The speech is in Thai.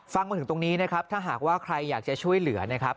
มาถึงตรงนี้นะครับถ้าหากว่าใครอยากจะช่วยเหลือนะครับ